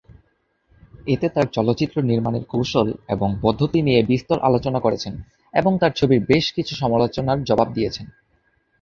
এতে তার চলচ্চিত্র নির্মাণের কৌশল এবং পদ্ধতি নিয়ে বিস্তর আলোচনা করেছেন এবং তার ছবির বেশ কিছু সমালোচনার জবাব দিয়েছেন।